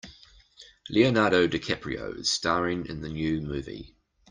Leonardo DiCaprio is staring in the new movie.